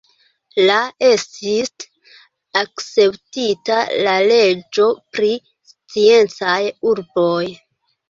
La estis akceptita la leĝo pri sciencaj urboj.